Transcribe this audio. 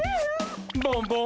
ボンボン。